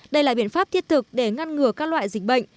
đây là biện pháp thiết thực để ngăn ngừa các loại dịch bệnh